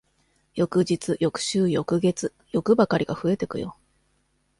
翌日、翌週、翌月、欲ばかりが増えてくよ。